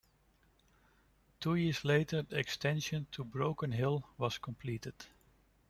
Two years later the extension to Broken Hill was completed.